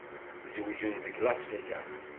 Zewǧen deg Las Vegas.